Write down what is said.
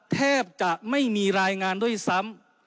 แทบจะไม่มีรายงานด้วยซ้ำ